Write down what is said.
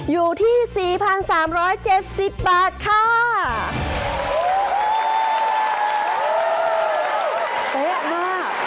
อยู่ที่๔๓๗๐บาทค่ะ